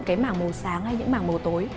những mảng màu sáng hay những mảng màu tối